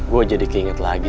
gue jadi keinget lagi